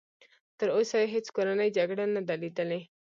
تر اوسه یې هېڅ کورنۍ جګړه نه ده لیدلې.